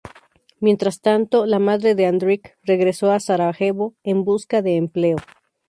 Mientras tanto, la madre de Andrić regresó a Sarajevo en busca de empleo.